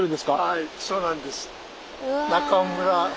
はいそうなんです。